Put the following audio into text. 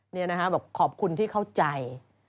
นี่นะคะบอกขอบคุณที่เข้าใจ